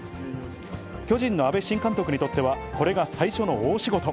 巨人の阿部新監督にとっては、これが最初の大仕事。